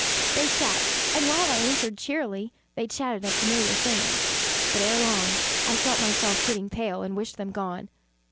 They sat, and while I answered cheerily, they chatted of familiar things. But, ere long, I felt myself getting pale and wished them gone.